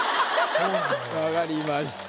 分かりました。